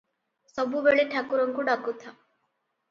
ସବୁବେଳେ ଠାକୁରଙ୍କୁ ଡାକୁଥା ।"